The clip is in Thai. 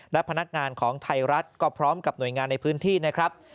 และพนักงานของไทยรัฐก็พร้อมกับหน่วยงานในพื้นที่นะครับ